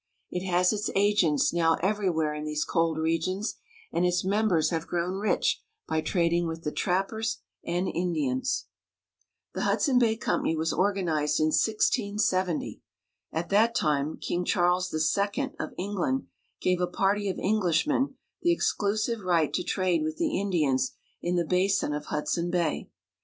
It has its agents now every where in these cold regions, and its members have grown rich by trading with the trappers and Indians. Trading Post — Hudson Bay Company. The Hudson Bay Company was organized in 1670. At that time King Charles II. of England gave a party of Englishmen the exclusive right to trade with the Indi ans in the basin of Hudson Bay.